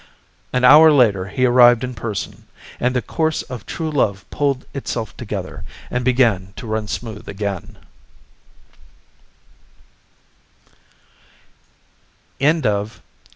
An hour later he arrived in person, and the course of true love pulled itself together, and began to run smooth again.